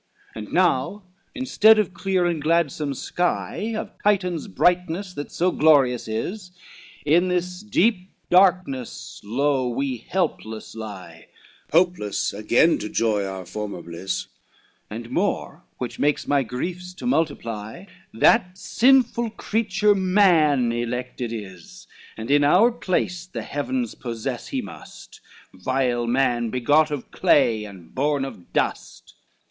X "And now instead of clear and gladsome sky, Of Titan's brightness, that so glorious is, In this deep darkness lo we helpless lie, Hopeless again to joy our former bliss, And more, which makes my griefs to multiply, That sinful creature man, elected is; And in our place the heavens possess he must, Vile man, begot of clay, and born of dust.